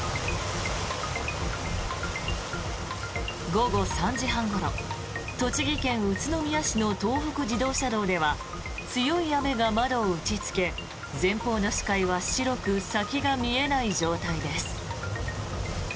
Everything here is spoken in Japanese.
午後３時半ごろ栃木県宇都宮市の東北自動車道では強い雨が窓を打ちつけ前方の視界は白く先が見えない状態です。